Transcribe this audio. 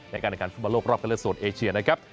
ในการฟุ่มโลกรอบกันเลือกส่วนเอเชียนะครับ